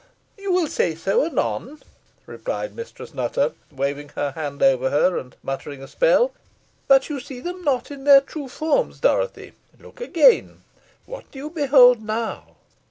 "You will say so anon," replied Mistress Nutter, waving her hand over her, and muttering a spell; "but you see them not in their true forms, Dorothy. Look again what do you behold now?"